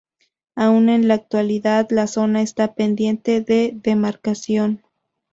Aún en la actualidad la zona está pendiente de demarcación.